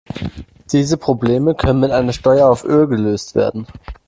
Diese Probleme können mit einer Steuer auf Öl gelöst werden.